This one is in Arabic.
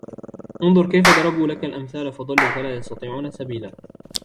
انْظُرْ كَيْفَ ضَرَبُوا لَكَ الْأَمْثَالَ فَضَلُّوا فَلَا يَسْتَطِيعُونَ سَبِيلًا